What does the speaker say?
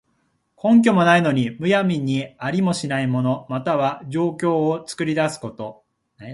根拠もないのに、むやみにありもしない物、または情況を作り出すこと。